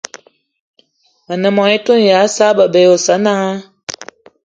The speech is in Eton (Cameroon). Me ne mô-etone ya Sa'a bebe y Osananga